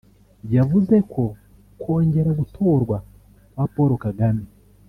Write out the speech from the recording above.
yavuze ko kongera gutorwa kwa Paul Kagame